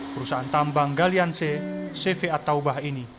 perusahaan tambang galian c cv attaubah ini